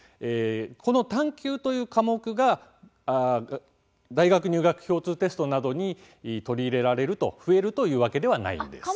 この「探究」という科目が大学入学共通テストなどに取り入れられる増えるというわけではないんです。